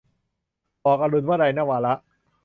หมอกอรุณ - วลัย นวาระ